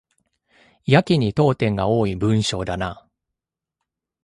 やけに読点が多い文章だな